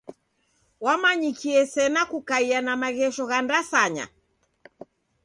Wamanyikie sena kukaia na maghesho gha ndasanya.